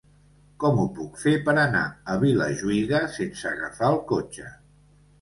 Com ho puc fer per anar a Vilajuïga sense agafar el cotxe?